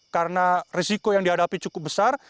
karena risiko yang dihadapi cukup besar